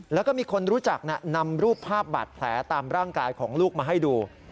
แล้วก็มีคนรู้จักนำรูปภาพบาดแผลตามร่างกายของลูกมาให้ดู